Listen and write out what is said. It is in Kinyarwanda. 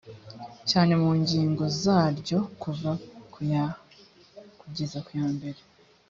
cyane mu ngingo zaryo kuva kuya kugeza kuyambere